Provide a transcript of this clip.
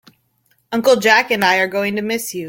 Uncle Jack and I are going to miss you.